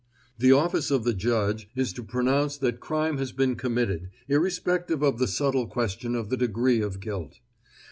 The office of the judge is to pronounce that crime has been committed, irrespective of the subtle question of the degree of guilt.